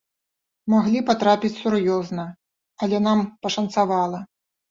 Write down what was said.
Маглі патрапіць сур'ёзна, але нам пашанцавала.